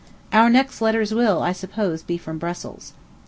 Our next letters will, I suppose, be from Brussels.